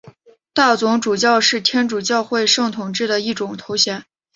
大总主教是天主教会圣统制的一种头衔。